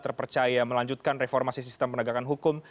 terpercaya melanjutkan reformasi sistem penegakan hukum